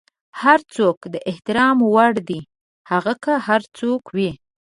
هر څوک د احترام وړ دی، هغه که هر څوک وي.